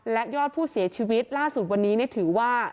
และยอดผู้เสียชีวิตล่าสุดวันนี้ถือว่า